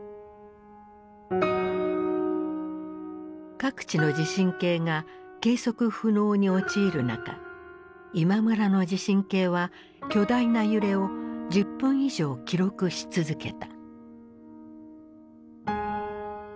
各地の地震計が計測不能に陥る中今村の地震計は巨大な揺れを１０分以上記録し続けた。